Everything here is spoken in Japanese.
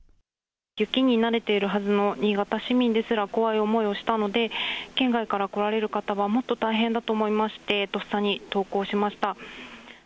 雪に慣れているはずの新潟市民ですら怖い思いをしたので、県外から来られる方は、もっと大変だと思いまして、とっさに投稿しました。